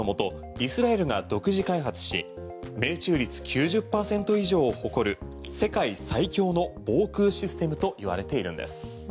イスラエルが独自開発し命中率９０％以上を誇る世界最強の防空システムといわれているんです。